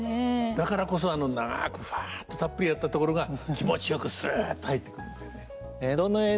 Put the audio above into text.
だからこそ長くふわっとたっぷりやったところが気持ちよくすっと入ってくるんですよね。